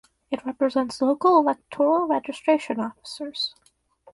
It represents local electoral registration officers.